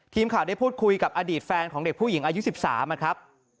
ทีมข่าวได้พูดคุยกับอดีตแฟนของเด็กผู้หญิงอายุ๑๓นะครับ